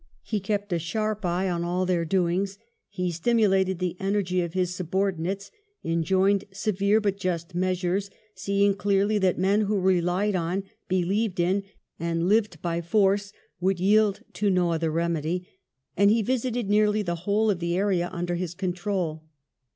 He kept a sharp eye on all their doings; he stimulated the energy of his subor dinates ; enjoined severe but just measures, seeing clearly that men who relied on, believed in, and lived by force would jdeld to no other remedy ; and he visited nearly the whole of the area under his control.